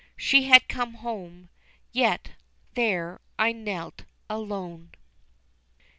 She had come home, yet there I knelt alone.